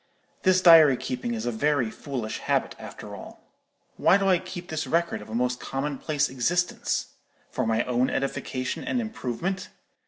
This diary keeping is a very foolish habit, after all. Why do I keep this record of a most commonplace existence? For my own edification and improvement?